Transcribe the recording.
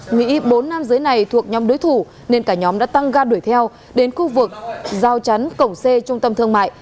nghĩ bốn nam giới này thuộc nhóm đối thủ nên cả nhóm đã tăng ga đuổi theo đến khu vực giao chắn cổng c trung tâm thương mại